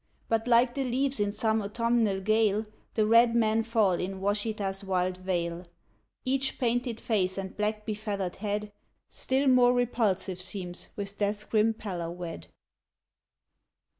But like the leaves in some autumnal gale The red men fall in Washita's wild vale. Each painted face and black befeathered head Still more repulsive seems with death's grim pallor wed.